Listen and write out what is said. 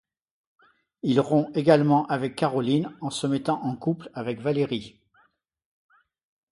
Il rompt également avec Caroline en se mettant en couple avec Valérie.